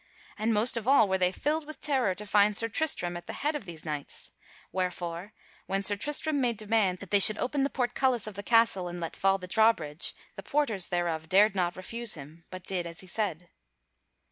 And most of all were they filled with terror to find Sir Tristram at the head of these knights. Wherefore when Sir Tristram made demand that they should open the portcullis of the castle and let fall the drawbridge, the porters thereof dared not refuse him, but did as he said.